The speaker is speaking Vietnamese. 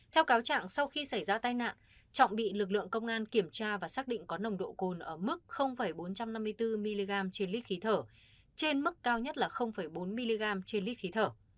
theo cáo trạng sau khi xảy ra tai nạn trọng bị lực lượng công an kiểm tra và xác định có nồng độ cồn ở mức bốn trăm năm mươi bốn mg trên lít khí thở trên mức cao nhất là bốn mg trên lít khí thở